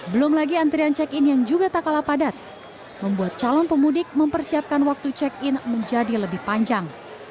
belum lagi antrian check in yang juga tak kalah padat membuat calon pemudik mempersiapkan waktu check in menjadi lebih panjang